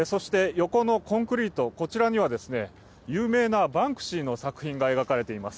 横のコンクリートには有名なバンクシーの作品が描かれています。